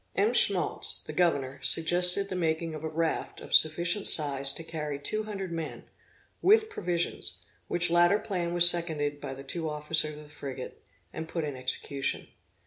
M. Schmaltz, the governor, suggested the making of a raft of sufficient size to carry two hundred men, with provisions; which latter plan was seconded by the two officers of the frigate, and put in execution.